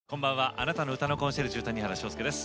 あなたの歌のコンシェルジュ谷原章介です。